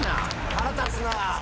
腹立つな。